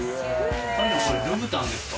これルブタンですか？